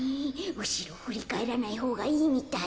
うしろをふりかえらないほうがいいみたい。